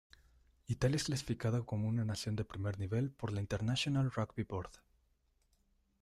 Italia es clasificada como una nación de primer nivel por la International Rugby Board.